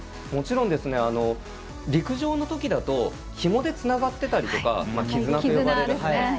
もちろん、陸上のときだとひもでつながっていたりとかきずなと呼ばれる。